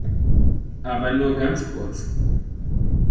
Aber nur ganz kurz!